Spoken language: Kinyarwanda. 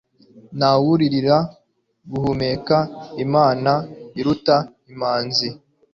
ntawuririra guhumeka imana iruta imanzi